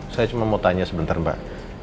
saya cuma mau tanya sebentar mbak